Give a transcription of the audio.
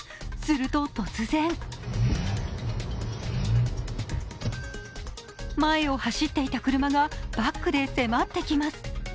すると突然前を走っていた車がバックで迫ってきます。